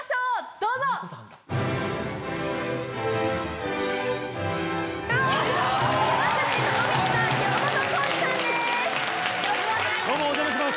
どうもお邪魔します。